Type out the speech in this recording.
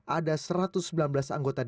ada satu ratus sembilan belas anggota dpr